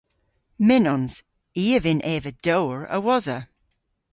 Mynnons. I a vynn eva dowr a-wosa.